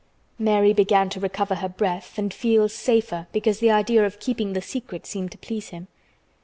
Mary began to recover her breath and feel safer because the idea of keeping the secret seemed to please him.